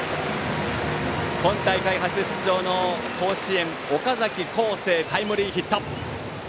今大会初出場の甲子園岡崎幸聖、タイムリーヒット。